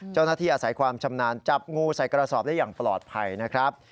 เจ้าหน้าที่อาศัยความชำนาญจับงูใส่กระสอบได้อย่างปลอดภัยนะครับ